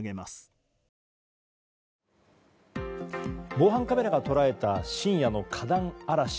防犯カメラが捉えた深夜の花壇荒らし。